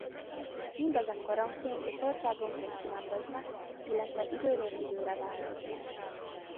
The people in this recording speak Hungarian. Mindezek koronként és országonként különböznek illetve időről-időre változnak.